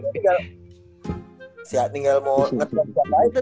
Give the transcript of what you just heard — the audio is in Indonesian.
siap siat tinggal mau ngetukar ngetukar lain